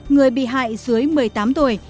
người bị hại dưới một mươi tám tuổi